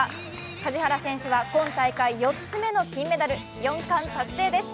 梶原選手は今大会４つ目の金メダル４冠達成です。